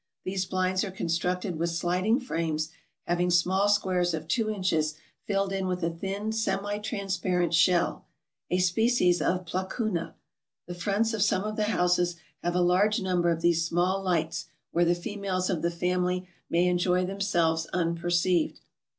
These blinds are constructed with sliding frames, having small squares of two inches filled in with a thin semi trans parent shell, a species of P lacuna ; the fronts of some of the houses have a large number of these small lights, where the females of the family may enjoy themselves unperceived.